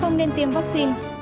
không nên tiêm vaccine